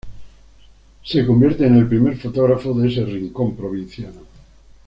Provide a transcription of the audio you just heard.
Se convierte en el primer fotógrafo de ese rincón provinciano.